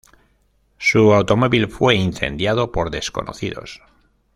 Su automóvil fue incendiado por desconocidos.